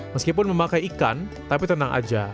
meskipun memakai ikan tapi tenang aja